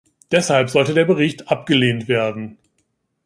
Deshalb sollte der Bericht abgelehnt werden.